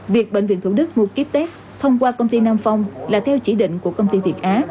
việc bệnh viện thủ đức mua ký test thông qua công ty nam phong là theo chỉ định của công ty việt á